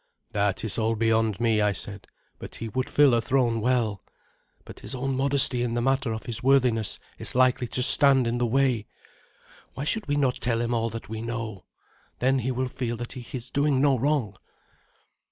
"That is all beyond me," I said; "but he would fill a throne well. But his own modesty in the matter of his worthiness is likely to stand in the way. Why should we not tell him all that we know? Then he will feel that he is doing no wrong."